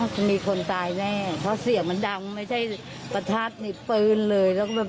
แฟนสละกันช่องนี้เลยไปเคยต้นไม้